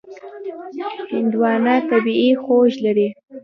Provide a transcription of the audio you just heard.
هندوانه طبیعي خوږ لري.